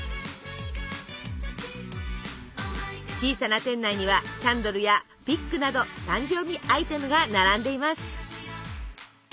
小さな店内にはキャンドルやピックなど誕生日アイテムが並んでいます。